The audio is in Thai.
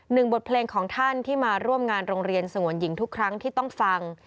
บทเพลงของท่านที่มาร่วมงานโรงเรียนสงวนหญิงทุกครั้งที่ต้องฟัง